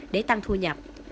để tăng thu nhập